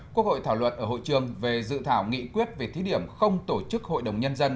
quốc hội thảo luận ở hội trường về dự thảo nghị quyết về thí điểm không tổ chức hội đồng nhân dân